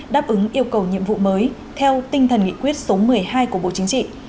đáp ứng yêu cầu nhiệm vụ mới theo tinh thần nghị quyết số một mươi hai của bộ chính trị